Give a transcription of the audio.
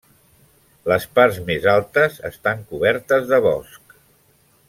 Les parts més altes estan cobertes de bosc.